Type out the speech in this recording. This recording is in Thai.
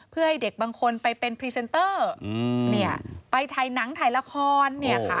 เพื่อให้เด็กบางคนไปเป็นพรีเซนเตอร์ไปถ่ายหนังถ่ายละคร